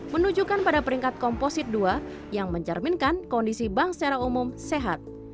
menunjukkan pada peringkat komposit dua yang mencerminkan kondisi bank secara umum sehat